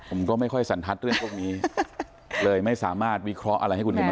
ผมก็ไม่ค่อยสันทัศน์เรื่องพวกนี้เลยไม่สามารถวิเคราะห์อะไรให้คุณเห็นได้